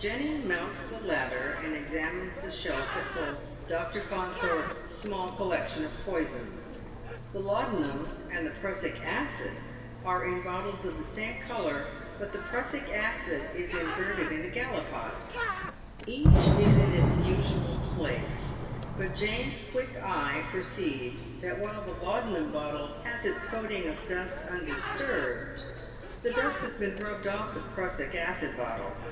Jenny mounts the ladder, and examines the shelf that holds Dr. Faunthorpe's small collection of poisons. The laudanum and the prussic acid are in bottles of the same colour, but the prussic acid is inverted in a gallipot. Each is in its usual place, 246 Dead MerCi STioes. but Jane's quick eye perceives that while the laudanum bottle has its coating of dust undisturbed the dust has been rubbed off the prussic acid bottle.